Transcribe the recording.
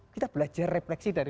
kita belajar refleksi dari